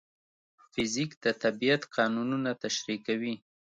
فزیک د طبیعت قانونونه تشریح کوي.